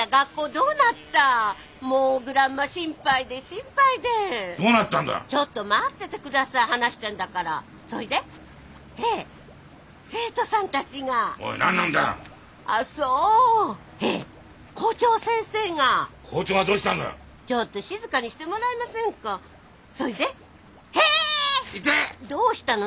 どうしたの？